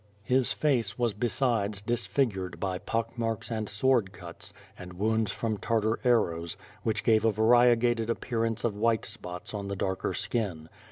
His face was besides disfigured by pock marks and sword cuts, and wounds from Tartar arrows, which gave a variegated appearance of white spots on the darker skin.